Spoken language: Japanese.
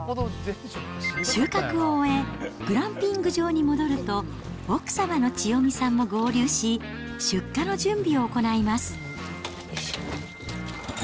収穫を終え、グランピング場に戻ると、奥様の千代美さんも合流し、出荷の準備を行います。